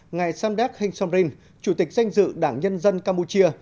ngài samdak heng somrin chủ tịch danh dự đảng nhân dân campuchia